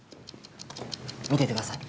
見てください。